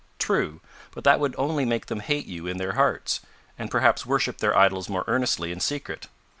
"True, but that would only make them hate you in their hearts, and perhaps worship their idols more earnestly in secret.